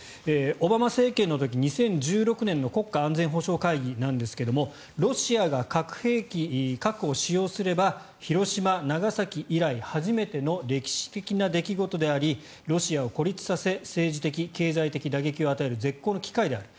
オバマ政権の時、２０１６年の国家安全保障会議なんですがロシアが核兵器、核を使用すれば広島、長崎以来初めての歴史的な出来事でありロシアを孤立させ政治的・経済的打撃を与える絶好の機会である。